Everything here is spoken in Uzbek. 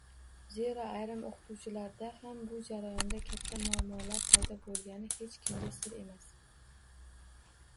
Zero, ayrim oʻqituvchilarda ham bu jarayonda katta muammolar paydo boʻlgani hech kimga sir emas.